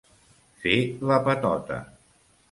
Fer la patota.